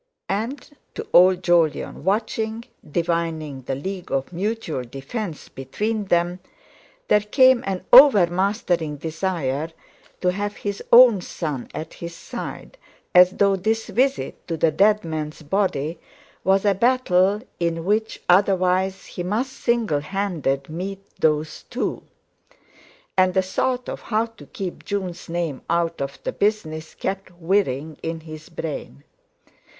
And to old Jolyon watching, divining the league of mutual defence between them, there came an overmastering desire to have his own son at his side, as though this visit to the dead man's body was a battle in which otherwise he must single handed meet those two. And the thought of how to keep Jun's name out of the business kept whirring in his brain.